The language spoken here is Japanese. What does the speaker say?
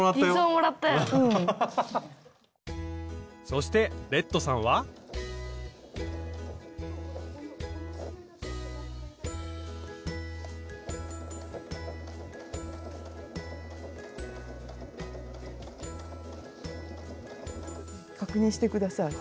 そしてレッドさんは確認して下さい。